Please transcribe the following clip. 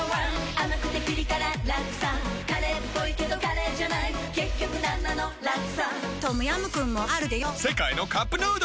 甘くてピリ辛ラクサカレーっぽいけどカレーじゃない結局なんなのラクサトムヤムクンもあるでヨ世界のカップヌードル